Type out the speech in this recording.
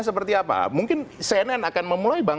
seperti apa mungkin cnn akan memulai